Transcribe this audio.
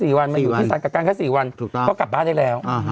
สี่วันมาอยู่ที่สรรค์กับการแค่สี่วันถูกต้องเขากลับบ้านได้แล้วอ่าฮะ